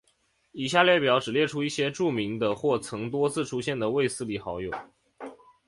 以下列表只列出一些著名的或曾多次出现的卫斯理好友。